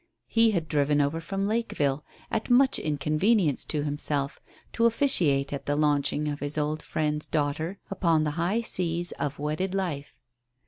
He had driven over from Lakeville, at much inconvenience to himself, to officiate at the launching of his old friend's daughter upon the high seas of wedded life.